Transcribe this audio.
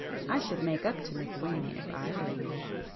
I should make up to McWhing if I were you."